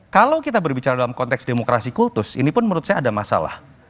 kalau kita berbicara dalam konteks demokrasi kultus ini pun menurut saya ada masalah